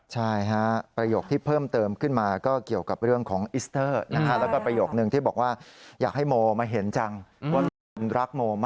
ใช่ค่ะประโยคที่เพิ่มเติมขึ้นมาก็เกี่ยวกับเรื่องของอิสเตอร์